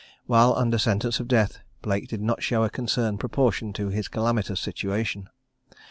While under sentence of death, Blake did not show a concern proportioned to his calamitous situation.